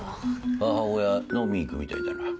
母親飲み行くみたいだな。